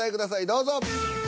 どうぞ！